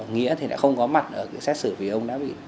nghĩa thì đã không có mặt ở cái xét xử vì ông đã bị